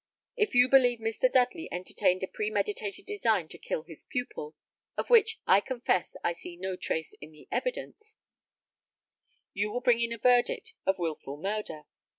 If you believe Mr. Dudley entertained a premeditated design to kill his pupil of which, I confess, I see no trace in the evidence you will bring in a verdict of 'Wilful Murder.'